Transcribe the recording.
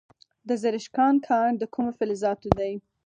د زرکشان کان د کومو فلزاتو دی؟